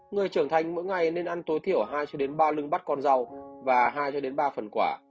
người trưởng thành mỗi ngày nên ăn tối thiểu hai ba lưng bắt con rau và hai ba phần quả